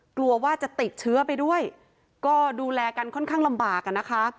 กลัวว่าจะติดเชื้อไปด้วยก็ดูแลกันค่อนข้างลำบากอ่ะนะคะ